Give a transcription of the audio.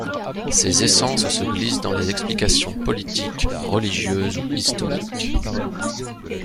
Ces essences se glissent dans les explications politiques, religieuses ou historiques.